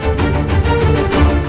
itu itu abi